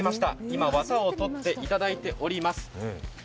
今、わたを取っていただいております。